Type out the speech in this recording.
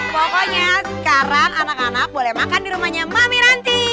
pokoknya sekarang anak anak boleh makan di rumahnya mbak miranti